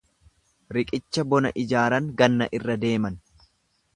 Riqicha bona ijaaran ganna irra deeman.